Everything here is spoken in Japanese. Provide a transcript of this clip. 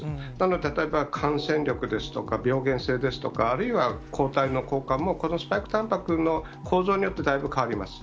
例えば感染力ですとか、病原性ですとか、あるいは抗体の効果もこのスパイクタンパクの構造によってだいぶ変わります。